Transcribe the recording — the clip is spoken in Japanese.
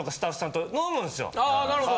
なるほど。